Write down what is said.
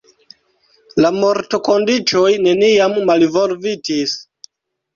La mortokondiĉoj neniam malvolvitis.